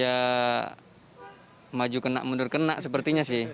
ya maju kena mundur kena sepertinya sih